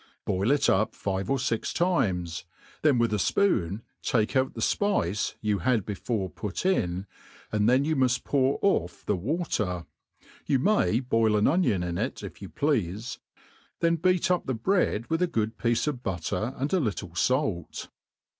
Boil it up five or fix times, then witli a fpoon take out the fpice you had before put in, and then you n)u ft pour off the water (you may boil an onion in it if you pleafe) ; then beat up the bread with a good piece of butter and a little fait.